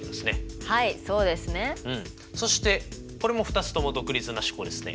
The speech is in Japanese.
そしてこれも２つとも独立な試行ですね。